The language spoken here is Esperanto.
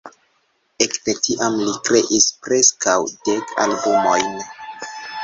Ekde tiam li kreis preskaŭ dek albumojn.